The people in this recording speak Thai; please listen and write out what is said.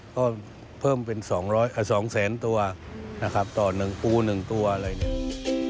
ก็เพิ่มเป็นสองแสนตัวนะครับต่ออูหนึ่งตัวอะไรอย่างนี้